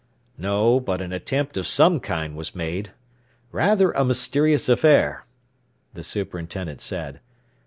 "No, but an attempt of some kind was made. Rather a mysterious affair," the superintendent said.